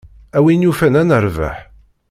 A win yufan ad nerbeḥ.